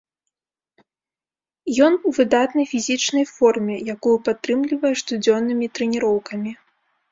Ён у выдатнай фізічнай форме, якую падтрымлівае штодзённымі трэніроўкамі.